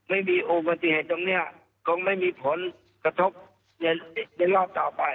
ไม่มีโอเวอร์ที่เห็นตรงเนี่ยก็ไม่มีผลกระทบในรอบต่อไป